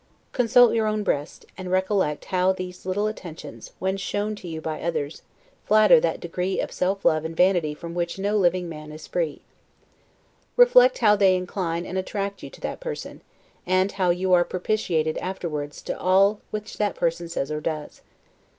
Consult your own breast, and recollect how these little attentions, when shown you by others, flatter that degree of self love and vanity from which no man living is free. Reflect how they incline and attract you to that person, and how you are propitiated afterward to all which that person says or does.